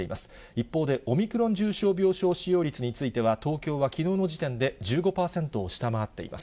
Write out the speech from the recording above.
一方でオミクロン重症病床使用率については、東京はきのうの時点で１５％を下回っています。